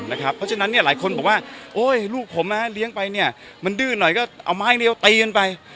เพราะฉะนั้นหลายคนบอกว่าลูกผมเลี้ยงไปเนี่ยมันดื้อหน่อยก็เอาไม้เรียวตีกันไป